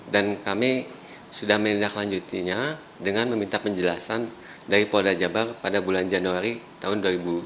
dan kami sudah menindaklanjutinya dengan meminta penjelasan dari polda jabar pada bulan januari tahun dua ribu tujuh belas